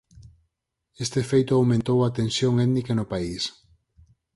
Este feito aumentou a tensión étnica no país.